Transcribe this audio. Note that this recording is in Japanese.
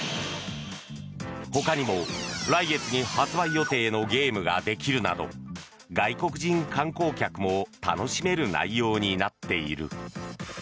ほかにも、来月に発売予定のゲームができるなど外国人観光客も楽しめる内容になっている。